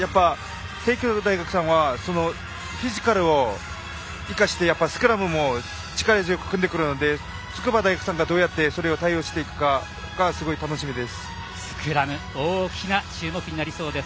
帝京大学さんはフィジカルを生かしてスクラムも力強く組んでくるので筑波大学さんがどう対応するかがすごく楽しみです。